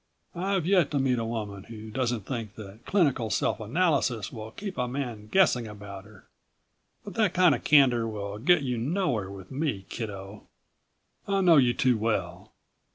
"I've yet to meet a woman who doesn't think that clinical self analysis will keep a man guessing about her. But that kind of candor will get you nowhere with me, kiddo. I know you too well.